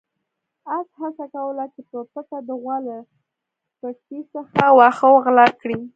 اس هڅه کوله چې په پټه د غوا له پټي څخه واښه وغلا کړي.